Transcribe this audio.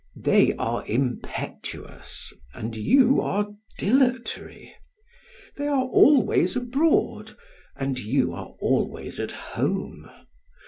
They are impetuous, and you are dilatory; they are always abroad, and you are always at home.